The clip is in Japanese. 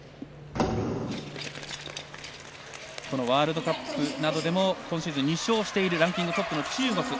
ワールドカップなどでも今シーズン２勝しているランキングトップの中国。